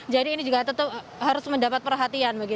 jadi ini juga harus mendapat perhatian